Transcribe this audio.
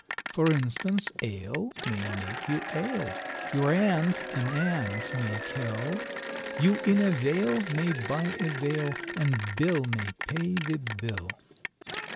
For instance, ale may make you ail, your aunt an ant may kill, You in a vale may buy a veil and Bill may pay the bill.